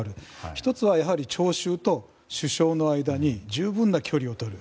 １つは、やはり聴衆と首相の間に十分距離をとる。